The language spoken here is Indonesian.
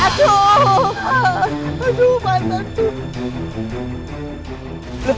aduh mana dia